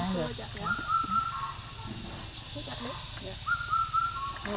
mình cắt đây